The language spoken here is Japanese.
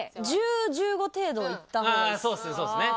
そうですねそうですね。